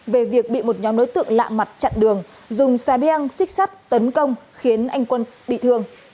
về việc bị một nhóm đối tượng lạ mặt chặn đường dùng xe beang xích sắt tấn công khiến anh quân bị thương